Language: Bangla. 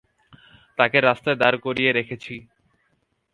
তাকে রাস্তায় দাঁড় করিয়ে রেখেছি।